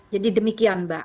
jadi demikian mbak